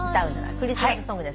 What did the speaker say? クリスマスソングですね。